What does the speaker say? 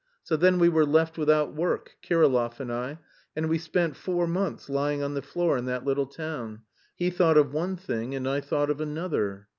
So then we were left without work, Kirillov and I, and we spent four months lying on the floor in that little town. He thought of one thing and I thought of another."